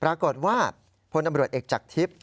ปรากฏว่าพลตำรวจเอกจากทิพย์